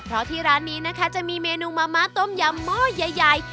เพราะที่ร้านนี้นะคะจะมีเมนูมะม้าต้มยำหม้อใหญ่